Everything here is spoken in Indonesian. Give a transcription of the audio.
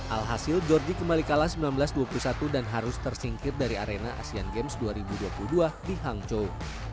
alhasil georgie kembali kalah sembilan belas dua puluh satu dan harus tersingkir dari arena asean games dua ribu dua puluh dua di hangzhou